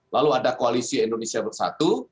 lalu ada koalisi indonesia bersatu